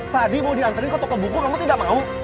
tadi mau diantarin ke toko buku kamu tidak mau